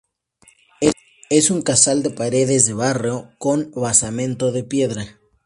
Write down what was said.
Es un casal de paredes de barro con basamento de piedra.